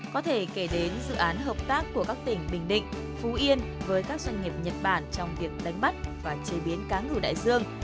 có thể kể đến dự án hợp tác của các tỉnh bình định phú yên với các doanh nghiệp nhật bản trong việc đánh bắt và chế biến cá ngừ đại dương